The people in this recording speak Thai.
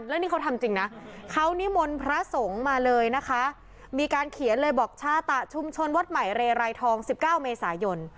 แล้วนี่เขาทำจริงนะเขานิมนต์พระสงฆ์มาเลยนะคะมีการเขียนเลยบอกชาตะชุมชนวัดใหม่เรไรทอง๑๙เมษายน